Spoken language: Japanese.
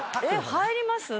入ります？